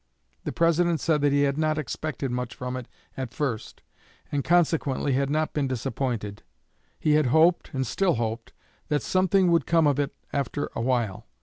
The President said that he had not expected much from it at first, and consequently had not been disappointed; he had hoped, and still hoped, that something would come of it after awhile.